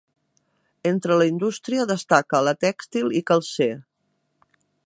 Entre la indústria, destaca la tèxtil i calcer.